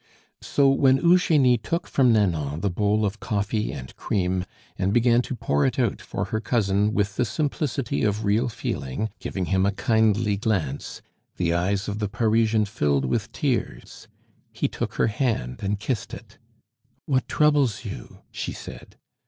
So when Eugenie took from Nanon the bowl of coffee and cream, and began to pour it out for her cousin with the simplicity of real feeling, giving him a kindly glance, the eyes of the Parisian filled with tears; he took her hand and kissed it. "What troubles you?" she said.